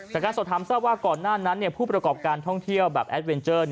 จากการสอบถามทราบว่าก่อนหน้านั้นผู้ประกอบการท่องเที่ยวแบบแอดเวนเจอร์